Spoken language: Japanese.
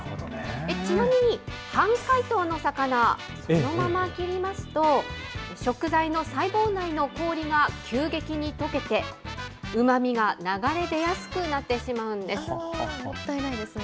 ちなみに半解凍の魚、そのまま切りますと食材の細胞内の氷が急激にとけて、うまみが流もったいないですね。